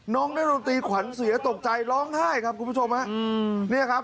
น้องนักดนตรีขวัญเสียตกใจร้องไห้ครับคุณผู้ชมฮะเนี่ยครับ